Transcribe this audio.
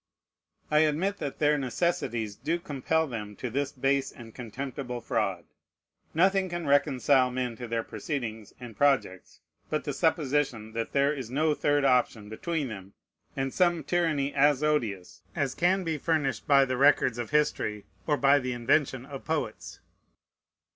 I admit that their necessities do compel them to this base and contemptible fraud. Nothing can reconcile men to their proceedings and projects but the supposition that there is no third option between them and some tyranny as odious as can be furnished by the records of history or by the invention of poets.